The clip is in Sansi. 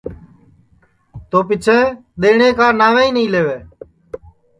تو پیچھیں ڌينڻْيں کا ناو ہی نائی لَیووے